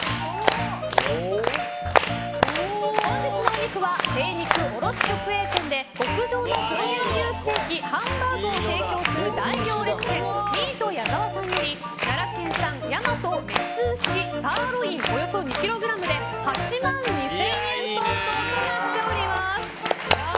本日のお肉は、精肉卸直営店で極上の黒毛和牛ステーキ・ハンバーグを提供する大行列店ミート矢澤さんより奈良県産大和牝牛サーロインおよそ２ｋｇで８万２０００円相当となっております。